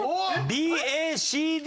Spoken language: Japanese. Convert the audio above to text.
ＢＡＣＤ！